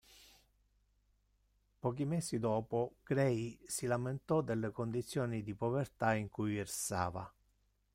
Pochi mesi dopo Grey si lamentò delle condizioni di povertà in cui versava.